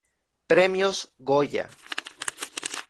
Premios Goya